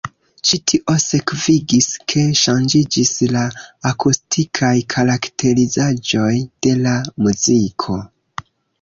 Ĉi tio sekvigis, ke ŝanĝiĝis la akustikaj karakterizaĵoj de la muziko.